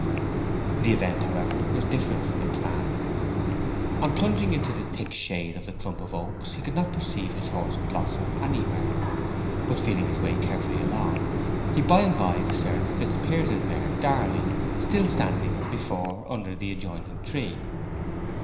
The event, however, was different from the plan. On plunging into the thick shade of the clump of oaks, he could not perceive his horse Blossom anywhere; but feeling his way carefully along, he by and by discerned Fitzpiers's mare Darling still standing as before under the adjoining tree.